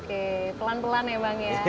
oke pelan pelan ya bang ya